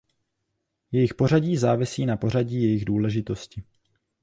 Jejich pořadí závisí na pořadí jejich důležitosti.